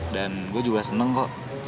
dan gue juga seneng kok